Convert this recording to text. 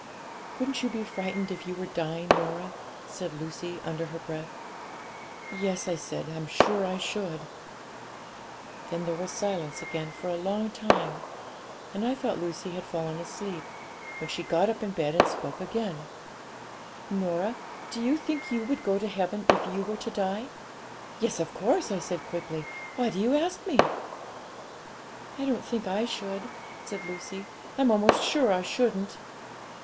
'"Wouldn't you be frightened if you were dying, Norah?" said Lucy, under her breath. '"Yes," I said, "I'm sure I should." 'Then there was silence again for a long time; and I thought Lucy had fallen asleep, when she got up in bed and spoke again '"Norah, do you think you would go to heaven if you were to die?" '"Yes, of course," I said quickly; "why do you ask me?" '"I don't think I should," said Lucy; "I'm almost sure I shouldn't."